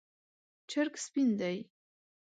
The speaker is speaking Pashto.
چرګ سپین دی